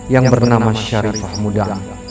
yang bernama syarifah muda